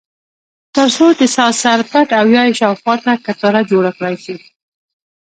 ترڅو د څاه سر پټ او یا یې خواوشا کټاره جوړه کړای شي.